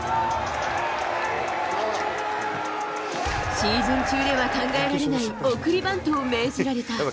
シーズン中では考えられない送りバントを命じられた。